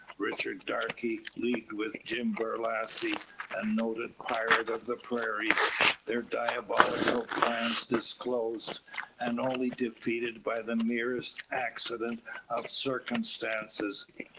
Richard Darke, leagued with Jim Borlasse, a noted pirate of the prairies; their diabolical plans disclosed, and only defeated by the merest accident of circumstances.